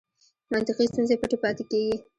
منطقي ستونزې پټې پاتې کېږي.